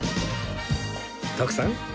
徳さん